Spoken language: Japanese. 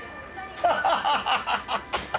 ハハハハハハ！